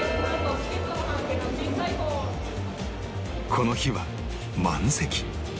この日は満席